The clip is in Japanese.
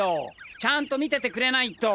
ちゃんと見ててくれないと！